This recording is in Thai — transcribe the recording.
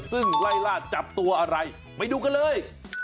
ซึ่งไล่ล่าจับตัวอะไรไปดูกันเลย